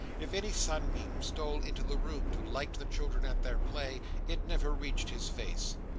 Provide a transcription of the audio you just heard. If any sunbeam stole into the room to light the children at their play, it never reached his face.